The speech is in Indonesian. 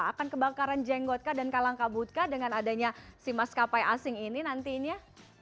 akan kebakaran jenggotka dan kalang kabutka dengan adanya si maskapai asing ini nantinya